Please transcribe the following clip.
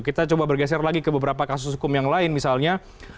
kita coba bergeser lagi ke beberapa kasus hukum yang lain misalnya